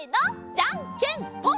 じゃんけんぽん！